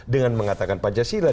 dengan mengatakan pancasila